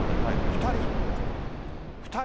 ２人？